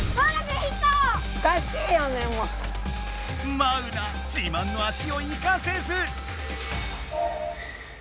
マウナじまんの足を生かせず。